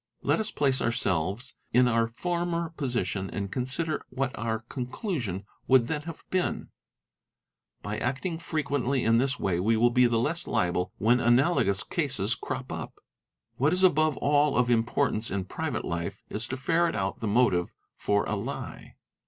Let us place ourselves in our former position and consider . what our conclusion would then have been. By acting frequently in 5 34 THE INVESTIGATING OFFICER this way we will be the less liable to make mistakes when analogous cases crop up. | What is above all of importance in private life is to ferret out the motive for a lie.